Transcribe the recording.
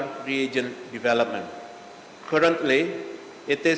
pada saat ini ini dalam proses penelitian